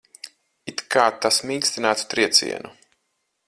It kā tas mīkstinātu triecienu.